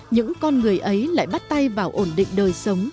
những con người ấy lại bắt tay vào ổn định đời sống